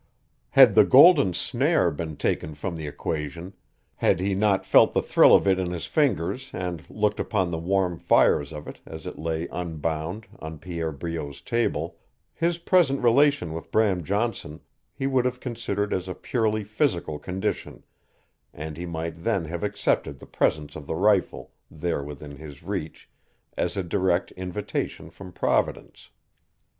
Had the golden snare been taken from the equation had he not felt the thrill of it in his fingers and looked upon the warm fires of it as it lay unbound on Pierre Breault's table, his present relation with Bram Johnson he would have considered as a purely physical condition, and he might then have accepted the presence of the rifle there within his reach as a direct invitation from Providence.